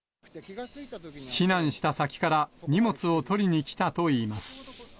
避難した先から荷物を取りに来たといいます。